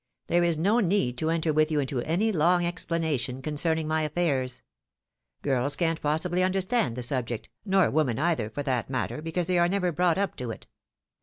There is no need to enter with you into any long explanation concerning my affairs. Girls can't possibly understand the subject, nor women either, for that matter, because they are never brought up to it.